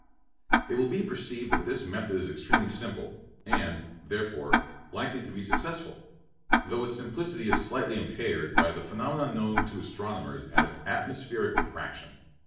It will be perceived that this method is extremely simple, and, therefore, likely to be successful; though its simplicity is slightly impaired by the phenomenon known to astronomers as "atmospheric refraction."